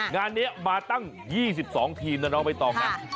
งานนี้มาตั้ง๒๒ทีมนะน้องใบตองนะ